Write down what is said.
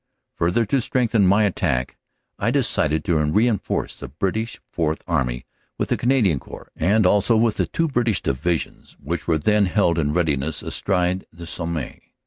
Further to strengthen my attack, I decided to reinforce the British Fourth Army with the Canadian Corps, and also with the two British divisions which were then held in readiness astride the Somme.